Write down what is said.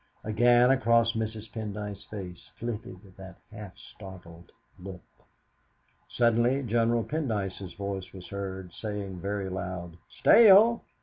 Again across Mrs. Pendyce's face flitted that half startled look. Suddenly General Pendyce's voice was heard saying very loud, "Stale?